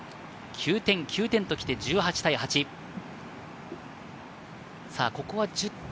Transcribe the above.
９点、９点と来て、１８点。